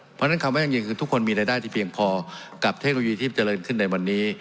เพราะฉะนั้นคำว่ายั่งยืนคือทุกคนมีรายได้ที่เพียงพอกับเทคโนโลยีที่เจริญขึ้นในวันนี้